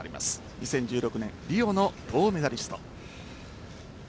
２０１６年、リオの銅メダリスト。